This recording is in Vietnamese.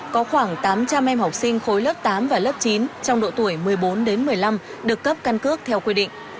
có khoảng tám trăm linh em học sinh khối lớp tám và lớp chín trong độ tuổi một mươi bốn đến một mươi năm được cấp căn cước theo quy định